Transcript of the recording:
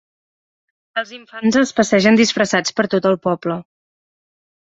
Els infants es passegen disfressats per tot el poble.